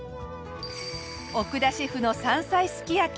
奥田シェフの山菜すき焼き。